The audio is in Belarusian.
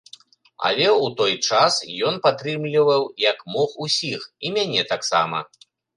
Але ў той час ён падтрымліваў, як мог, усіх, і мяне таксама.